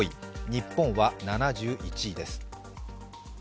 日本は７１位です。